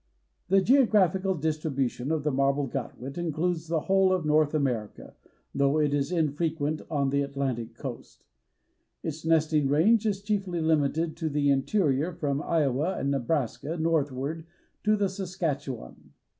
The geographical distribution of the Marbled Godwit includes the whole of North America, though it is infrequent on the Atlantic coast. Its nesting range is chiefly limited to the interior from Iowa and Nebraska northward to the Saskatchewan.